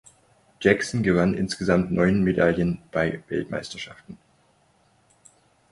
Jackson gewann insgesamt neun Medaillen bei Weltmeisterschaften.